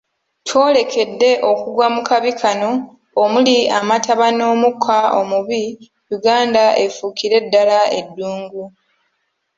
Twolekedde okugwa mu kabi kano omuli amataba n’omukka omubi Uganda efuukire ddala eddungu.